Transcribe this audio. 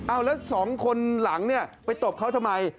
แล้วสองคนหลังไปตบเขาทำไม